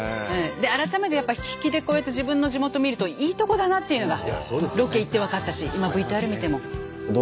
改めてやっぱ引きでこうやって自分の地元見るといいとこだなっていうのがロケ行って分かったし今ＶＴＲ見ても。